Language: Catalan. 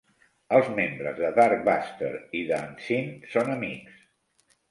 Els membres de Darkbuster i The Unseen són amics.